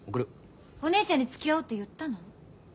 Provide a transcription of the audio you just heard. お姉ちゃんにつきあおうって言ったの？